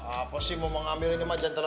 apa sih mau mengambil ini mah gentleman